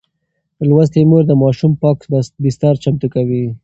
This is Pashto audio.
لوستې مور د ماشوم پاک بستر چمتو کوي.